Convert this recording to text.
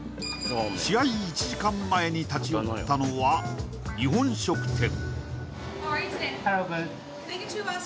試合１時間前に立ち寄ったのは日本食店